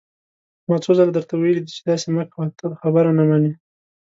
ما څو ځله درته ويلي دي چې داسې مه کوه، ته خبره نه منې!